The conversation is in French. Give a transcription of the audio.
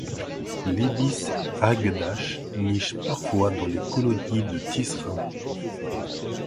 L'Ibis hagedash niche parfois dans les colonies de tisserins.